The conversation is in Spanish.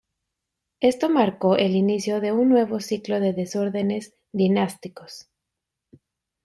Esto marcó el inicio de un nuevo ciclo de desórdenes dinásticos.